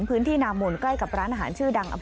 พื้นที่นามนใกล้กับร้านอาหารชื่อดัง